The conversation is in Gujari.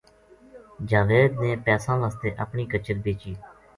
جاوید نے پیساں وَسطے اپنی کچر بیچی۔